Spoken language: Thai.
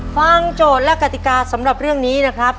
โจทย์และกติกาสำหรับเรื่องนี้นะครับ